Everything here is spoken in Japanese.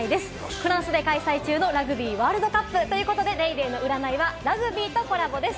フランスで開催中のラグビーワールドカップということで『ＤａｙＤａｙ．』の占いはラグビーとコラボです。